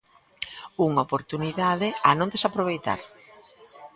Unha oportunidade a non desaproveitar.